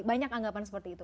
banyak anggapan seperti itu